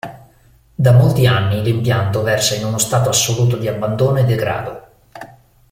Da molti anni l'impianto versa in uno stato assoluto di abbandono e degrado.